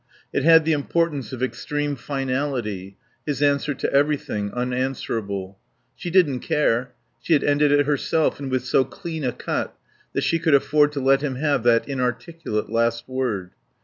It had the importance of extreme finality; his answer to everything, unanswerable. She didn't care. She had ended it herself and with so clean a cut that she could afford to let him have that inarticulate last word.